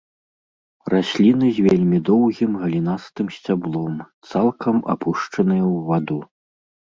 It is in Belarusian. Расліны з вельмі доўгім галінастым сцяблом, цалкам апушчаныя ў ваду.